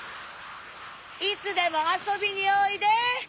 いつでもあそびにおいで！